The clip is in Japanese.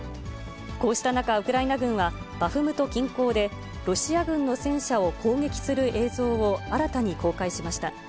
こうした中、ウクライナ軍は、バフムト近郊で、ロシア軍の戦車を攻撃する映像を新たに公開しました。